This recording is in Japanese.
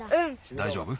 だいじょうぶ？